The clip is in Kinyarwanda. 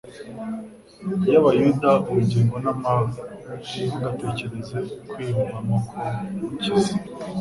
y'abayuda ubugingo n'amahoro. Ntimugategereze kwiyumvamo ko mukize.